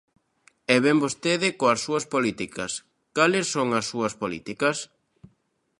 E vén vostede coas súas políticas, ¿cales son as súas políticas?